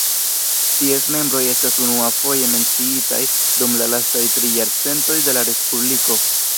Ties membroj estas unuafoje menciitaj dum la lastaj tri jarcentoj de la Respubliko.